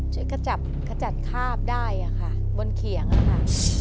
จะขจัดขจัดคราบได้อะค่ะบนเขียงอะค่ะ